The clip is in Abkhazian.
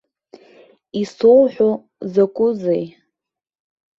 Исоуҳәо закәызеи!